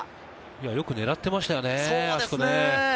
よく狙ってましたよね。